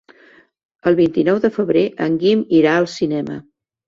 El vint-i-nou de febrer en Guim irà al cinema.